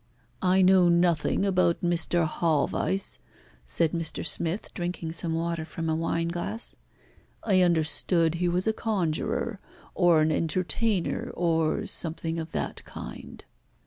"I know nothing about Mr. Haweis," said Mr. Smith, drinking some water from a wineglass. "I understood he was a conjurer, or an entertainer, or something of that kind."